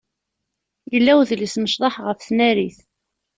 Yella udlis n ccḍeḥ ɣef tnarit.